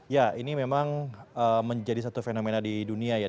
ya ini memang menjadi satu fenomena di dunia ya